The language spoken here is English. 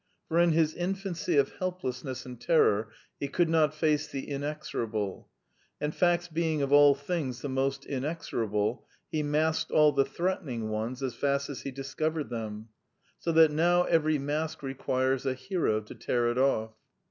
For in his infancy of helplessness and terror he could not face the inexorable; and facts being of all things the most inexorable, he masked all the threatening ones as fast as he dis covered them; so that now every mask requires a hero to tear it off.